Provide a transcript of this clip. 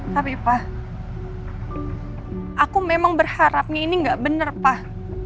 tapi pak aku memang berharapnya ini gak bener pak